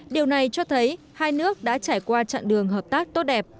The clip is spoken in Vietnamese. điều này cho thấy hai nước đã trải qua chặng đường hợp tác tốt đẹp